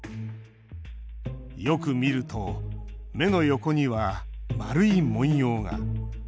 よく見ると目の横には丸い紋様が。